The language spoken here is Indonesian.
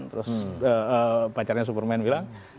terus pacarnya superman bilang